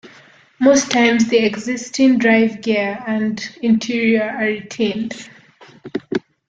Most times, the existing drive gear and interior are retained.